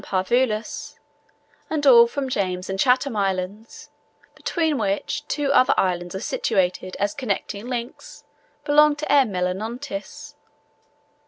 parvulus; and all from James and Chatham Islands (between which two other islands are situated, as connecting links) belonged to M. melanotis.